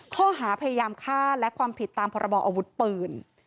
ข้อหาพยายามฆ่าและความผิดตามพรบออาวุธปืน